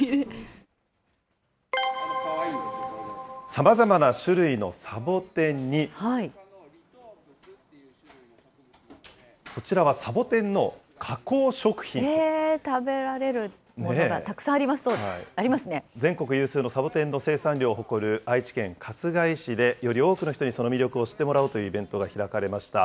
さまざまな種類のサボテンに、えー、食べられるものがたく全国有数のサボテンの生産量を誇る愛知県春日井市で、より多くの人にその魅力を知ってもらおうというイベントが開かれました。